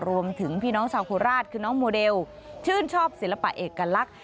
พี่น้องชาวโคราชคือน้องโมเดลชื่นชอบศิลปะเอกลักษณ์